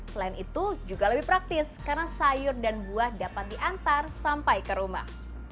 selain itu juga lebih praktis karena sayur dan buah dapat diantar sampai ke rumah